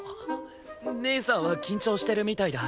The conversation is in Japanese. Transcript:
姉さんは緊張してるみたいだ。